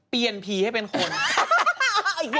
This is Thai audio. เปลี่ยนผีให้เป็นคน